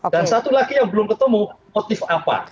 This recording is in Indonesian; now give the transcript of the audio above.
dan satu lagi yang belum ketemu motif apa